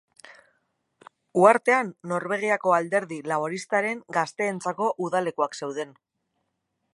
Uhartean Norvegiako Alderdi Laboristaren gazteentzako udalekuak zeuden.